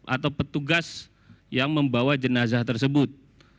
atau petugas yang membawa jenazah tersebut